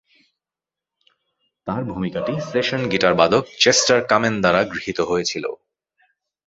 তার ভূমিকাটি সেশন গিটারবাদক চেস্টার কামেন দ্বারা গৃহীত হয়েছিল।